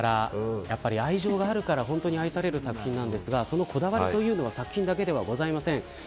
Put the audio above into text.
愛情があるから本当に愛される作品なんですがそのこだわりというのは作品だけではございません。